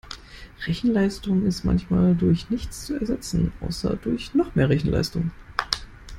Rechenleistung ist manchmal durch nichts zu ersetzen, außer durch noch mehr Rechenleistung.